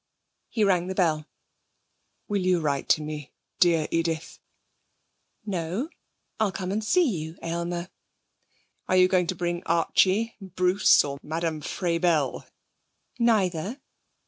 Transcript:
He rang the bell. 'Will you write to me, dear Edith?' 'No. I'll come and see you, Aylmer.' 'Are you going to bring Archie, Bruce, or Madame Frabelle?' 'Neither.'